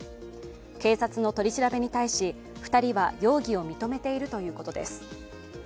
警察の取り調べに対し、２人は容疑を認めているということです。